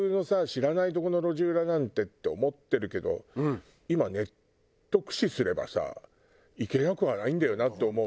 知らないとこの路地裏なんてって思ってるけど今はネット駆使すればさ行けなくはないんだよなって思うと。